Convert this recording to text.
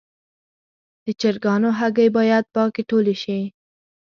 د چرګانو هګۍ باید پاکې ټولې شي.